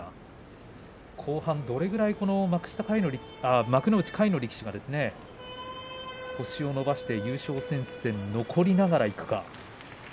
後半、どれぐらい幕内下位の力士が星を伸ばして優勝戦線に残りながらいくか。